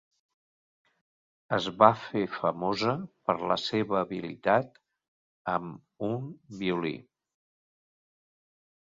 Es va fer famosa per la seva habilitat amb un violí.